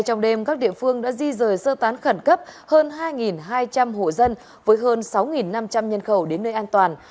trong đêm các địa phương đã di rời sơ tán khẩn cấp hơn hai hai trăm linh hộ dân với hơn sáu năm trăm linh nhân khẩu đến nơi an toàn